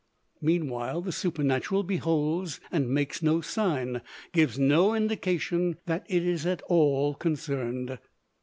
Meanwhile the Supernatural beholds and makes no sign gives no indication that it is at all concerned.